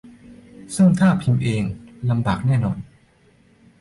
ซึ่งถ้าพิมพ์เอง ลำบากแน่นอน